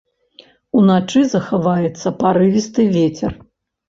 Уначы захаваецца парывісты вецер.